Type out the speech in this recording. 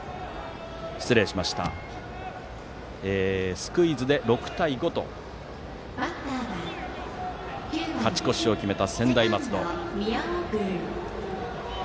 スクイズで６対５と勝ち越しを決めた専大松戸。